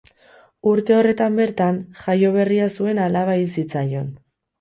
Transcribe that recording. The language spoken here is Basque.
Urte horretan bertan, jaio berria zuen alaba hil zitzaion.